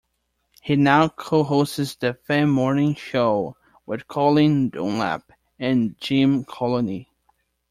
He now co-hosts The Fan Morning Show with Colin Dunlap and Jim Colony.